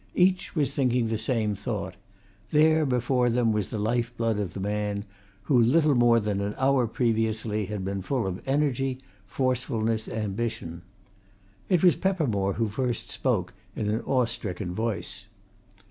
Each was thinking the same thought there, before them, was the life blood of the man who little more than an hour previously had been full of energy, forcefulness, ambition. It was Peppermore who first spoke, in an awe stricken voice.